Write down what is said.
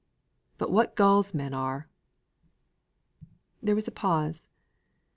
But what gulls men are!" There was a pause. Mr.